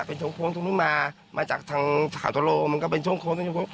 เป็นช่วงโค้งตรงนี้มามาจากทางขาวทะโลมันก็เป็นช่วงโค้งช่วงโค้ง